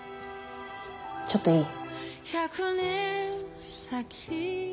ちょっといい？